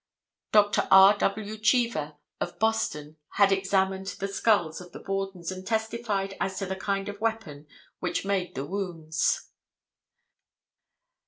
Dr. R. W. Chever of Boston, had examined the skulls of the Bordens and testified as to the kind of weapon which made the wounds.